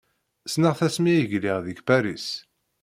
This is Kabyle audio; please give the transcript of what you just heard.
Ssneɣ-t asmi ay lliɣ deg Paris.